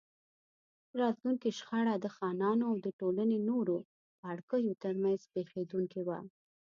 راتلونکې شخړه د خانانو او د ټولنې نورو پاړکیو ترمنځ پېښېدونکې وه.